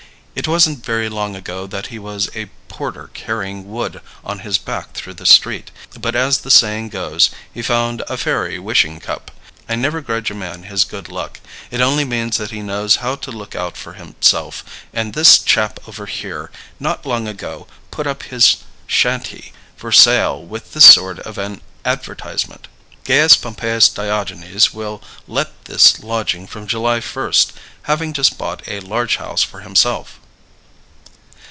It wasn't very long ago that he was a porter carrying wood on his back through the street. But, as the saying goes, he found a fairy wishing cup. I never grudge a man his good luck. It only means that he knows how to look out for himself; and this chap over here not long ago put up his shanty for sale with this sort of an advertisement: "'Gaius Pompeius Diogenes will let this lodging from July first, having just bought a large house for himself.'